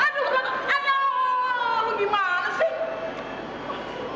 aduh lu gimana sih